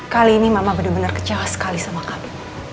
kali ini mama bener bener kecewa sekali sama kamu